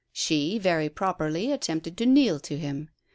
She very properly attempted to kneel to him.